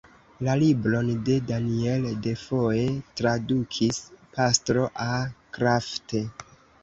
La libron de Daniel Defoe tradukis Pastro A. Krafft.